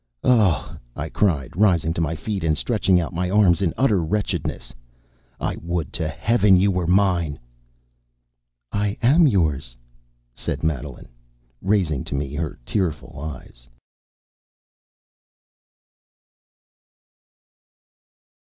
"Oh!" I cried, rising to my feet, and stretching out my arms in utter wretchedness, "I would to Heaven you were mine!" "I am yours," said Madeline, raising to me her tearful eyes.